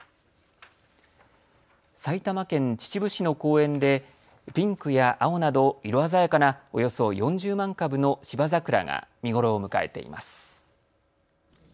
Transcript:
埼玉県秩父市の公園でピンクや青など色鮮やかなおよそ４０万株のシバザクラが見頃を迎えています。